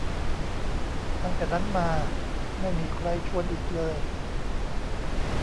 ตั้งแต่นั้นมา ไม่มีใครชวนอีกเลย